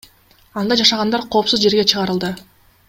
Анда жашагандар коопсуз жерге чыгарылды.